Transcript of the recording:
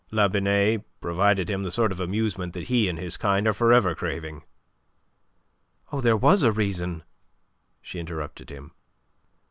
La Binet provided him the sort of amusement that he and his kind are forever craving..." "Oh, there was a reason," she interrupted him.